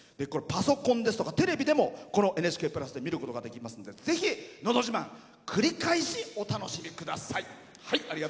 パソコンですとかテレビでも「ＮＨＫプラス」で見ることができますのでぜひ「のど自慢」繰り返し、お楽しみください。